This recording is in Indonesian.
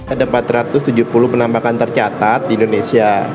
ada empat ratus tujuh puluh penambakan tercatat di indonesia